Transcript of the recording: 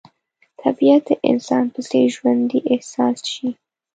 طبیعت د انسان په څېر ژوندی احساس شي.